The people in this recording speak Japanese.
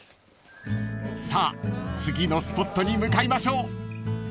［さあ次のスポットに向かいましょう］